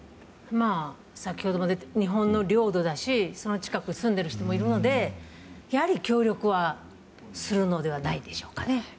先ほども出たように日本の領土だしその近くに住んでいる人もいるのでやはり協力はするのではないでしょうかね。